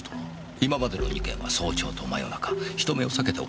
今までの２件は早朝と真夜中人目を避けて行われています。